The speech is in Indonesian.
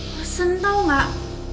resen tau gak